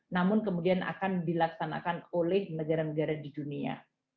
namun kemudian akan dilaksanakan oleh negara negara di dunia